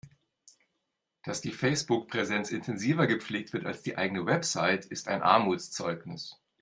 Dass die Facebook-Präsenz intensiver gepflegt wird als die eigene Website, ist ein Armutszeugnis.